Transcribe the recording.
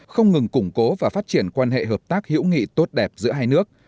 không ngừng củng cố và phát triển quan hệ hợp tác hữu nghị tốt đẹp giữa hai nước